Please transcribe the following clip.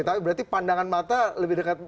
tapi berarti pandangan mata lebih dekat